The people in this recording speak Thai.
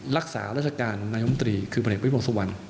รักษารัชการนามมตรีคือบริเวณบริษัทสวรรษ